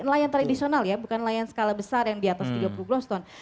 nelayan tradisional ya bukan nelayan skala besar yang di atas tiga puluh groston